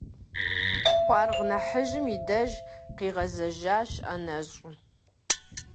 Къуаргъ нэхъыжьым и деж къигъэзэжащ, ӀэнэщӀу.